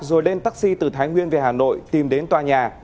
rồi lên taxi từ thái nguyên về hà nội tìm đến tòa nhà